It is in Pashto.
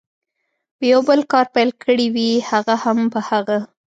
په یو بل کار پیل کړي وي، هغه هم په هغه.